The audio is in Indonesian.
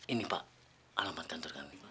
ini pak alamat kantor kami pak